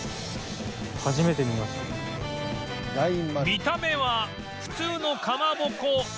見た目は普通のかまぼこ